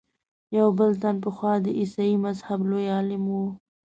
یو بل تن پخوا د عیسایي مذهب لوی عالم و.